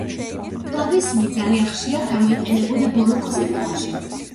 კლავესინი ძალიან ხშირად გამოიყენებოდა ბაროკოს ეპოქაში.